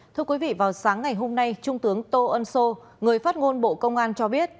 thưa quý vị vào sáng ngày hôm nay trung tướng tô ân sô người phát ngôn bộ công an cho biết